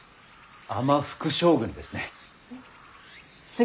尼副将軍ですね。